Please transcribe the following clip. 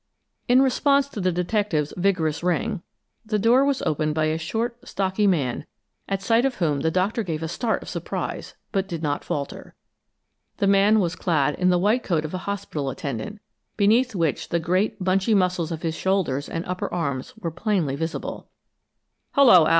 In response to the detective's vigorous ring, the door was opened by a short, stocky man, at sight of whom the Doctor gave a start of surprise, but did not falter. The man was clad in the white coat of a hospital attendant, beneath which the great, bunchy muscles of his shoulders and upper arms were plainly visible. "Hello, Al!"